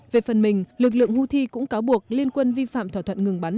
về phần mình lực lượng houthi cũng cáo buộc liên quân vi phạm thỏa thuận ngừng bắn